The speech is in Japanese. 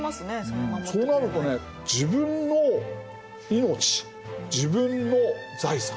そうなるとね自分の命自分の財産